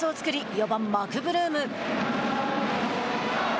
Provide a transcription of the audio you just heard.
４番マクブルーム。